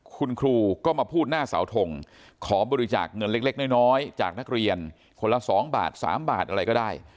คุณครูก็มาพูดหน้าเสาทงขอบริจาคเงินเล็กน้อยจากนักเรียนคนละ๒บาท๓บาทอะไรก็ได้